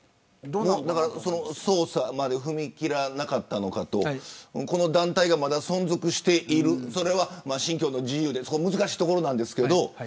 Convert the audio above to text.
捜査まで踏み切らなかったのかとこの団体が、まだ存続しているそれは信教の自由で難しいところなんですけれど。